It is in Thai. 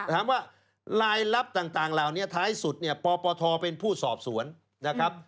ถามว่ารายลับต่างเหล่านี้ท้ายสุดเนี่ยปปทเป็นผู้สอบสวนนะครับ